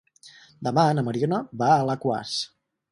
Demà na Mariona va a Alaquàs.